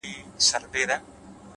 سم داسي ښكاري راته ـ